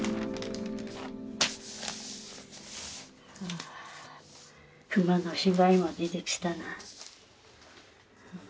あ熊の被害も出てきたな。